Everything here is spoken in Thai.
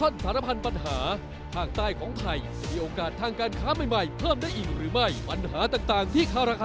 ได้ครับไม่มีปัญหาครับ